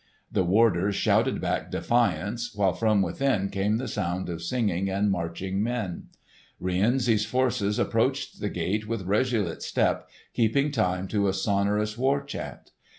The warders shouted back defiance, while from within came the sound of singing and marching men. Rienzi's forces approached the gates with resolute step keeping time to a sonorous war chant.